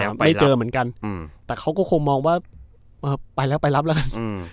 ไม่เจอเหมือนกันอืมแต่เขาก็คงมองว่าเออไปแล้วไปรับแล้วกันอืม